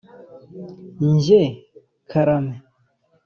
njye: karame!